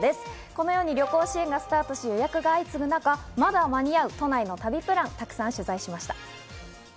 このように旅行支援がスタートし、予約が相次ぐ中、まだ間に合う、都内の旅プランをたくさん取材しました。